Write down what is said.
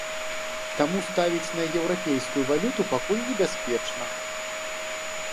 Таму ставіць на еўрапейскую валюту пакуль небяспечна.